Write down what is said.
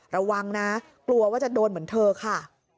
ระวังนะกลัวว่าจะโดนเหมือนเธอค่ะ